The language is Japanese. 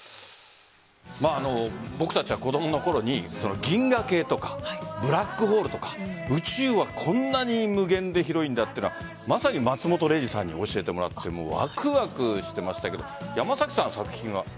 僕たちは子供のころに銀河系とかブラックホールとか宇宙は、こんなに無限で広いんだというのはまさに松本零士さんに教えてもらってワクワクしてましたけど山崎さん、作品は？